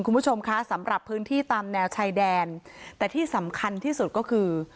คุณผู้ชมคะสำหรับพื้นที่ตามแนวชายแดนแต่ที่สำคัญที่สุดก็คือ